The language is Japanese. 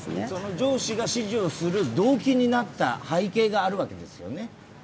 上司が指示をする背景になった問題があるわけですよね。